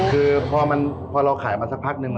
คือพอเราขายมาสักพักนึง